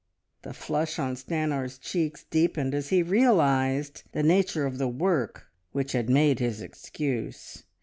The flush on Stanor's cheeks deepened as he realised the nature of the "work" which had made his excuse.